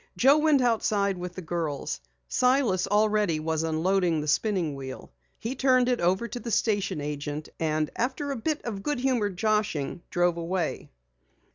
Joe went outside with the girls. Silas already had unloaded the spinning wheel. He turned it over to the station agent and after a bit of goodnatured joshing, drove away.